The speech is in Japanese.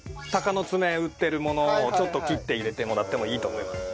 鷹の爪売ってるものをちょっと切って入れてもらってもいいと思います。